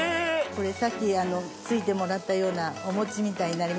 さっきついてもらったようなお餅みたいになりましたね。